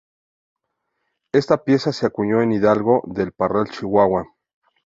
Esta pieza se acuñó en Hidalgo del Parral, Chihuahua.